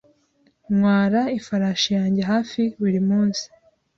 Ntwara ifarashi yanjye hafi buri munsi.